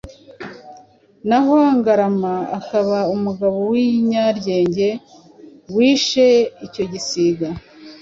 naho Ngarama akaba umugabo w’inyaryenge wishe icyo gisiga !